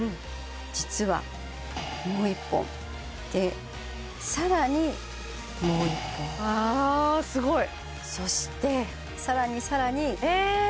実はもう１本で更にもう１本・あすごいそして更に更にえっ！